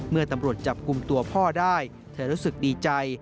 เมื่อตำรวจจับกลุ่มตัวพ่อได้เธอรู้สึกดีใจ